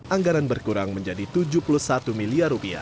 anggaran tersebut terkurang menjadi tujuh puluh satu miliar rupiah